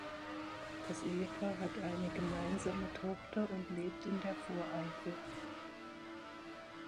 Das Ehepaar hat eine gemeinsame Tochter und lebt in der Voreifel.